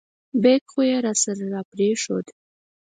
بیک خو یې راسره را پرېښود.